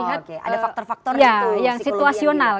ada faktor faktor itu psikologi yang situasional